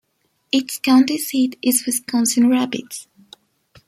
Its county seat is Wisconsin Rapids.